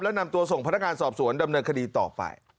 แล้วนำตัวส่งพนักงานสอบสวนดำเนินคดีต่อไป